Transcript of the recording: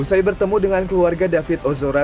usai bertemu dengan keluarga david ozora